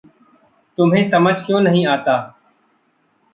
तुम्हें समझ क्यों नहीं आता?